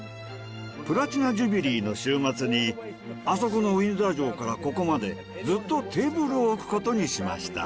プラチナ・ジュビリーの週末にあそこのウィンザー城からここまでずっとテーブルを置くことにしました。